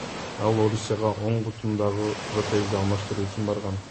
Ал Орусияга оң бутундагы протезди алмаштыруу үчүн барган.